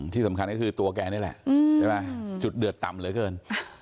ที่สำคัญก็คือตัวแกนี่แหละใช่ไหมจุดเดือดต่ำเหลือเกิน